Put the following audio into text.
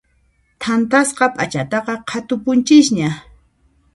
Thantasqa p'achataqa qhatupunchisña.